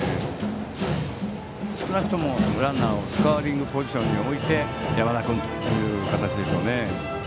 少なくともランナーをスコアリングポジションに置いて山田君という形でしょうね。